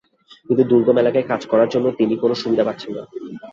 কিন্তু দুর্গম এলাকায় কাজ করার জন্য তিনি কোনো সুবিধা পাচ্ছেন না।